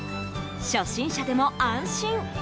初心者でも安心。